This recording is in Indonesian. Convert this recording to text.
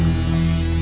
oke sampai jumpa